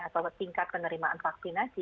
atau tingkat penerimaan vaksinasi